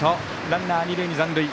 ランナー二塁に残塁。